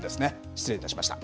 失礼いたしました。